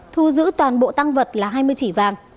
thu giữ toàn bộ tăng vật là hai mươi chỉ vàng